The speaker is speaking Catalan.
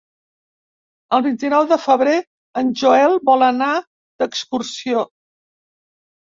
El vint-i-nou de febrer en Joel vol anar d'excursió.